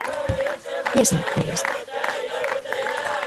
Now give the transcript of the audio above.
Iesim, mīļais.